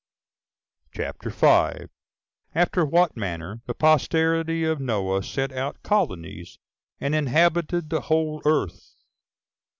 After What Manner The Posterity Of Noah Sent Out Colonies, And Inhabited The Whole Earth.